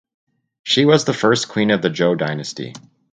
She was the first queen of the Zhou dynasty.